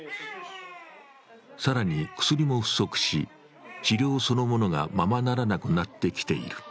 更に、薬も不足し、治療そのものがままならなくなってきている。